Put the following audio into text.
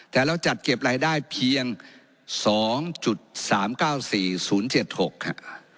แต่เราจัดเก็บรายได้เพียง๒๓๙๔๐๗๖ค่ะ